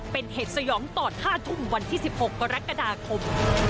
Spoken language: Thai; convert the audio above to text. เป็นเหตุสยองตอน๕ทุ่มวันที่๑๖กรกฎาคม